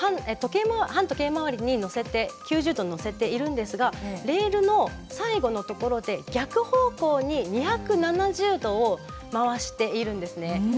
反時計回りに乗せて９０度に乗せているんですがレールの最後のところで逆方向に２７０度を回しているんですね。